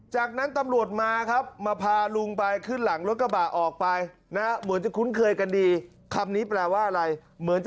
จากนั้นตำรวจมาครับมาพาลุงไปขึ้นหลังรถกระบะออกไป